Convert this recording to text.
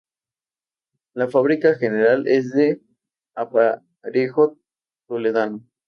La fábrica general es de "aparejo toledano".